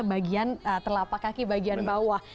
bagian telapak kaki bagian bawah